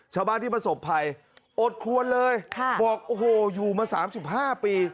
ชาวบ้านที่ประสบภัยอดครวนเลยบอกโอ้โหอยู่มา๓๕ปี